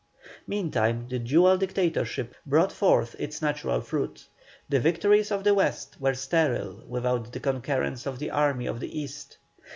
Meantime the dual dictatorship brought forth its natural fruit. The victories of the West were sterile without the concurrence of the army of the East.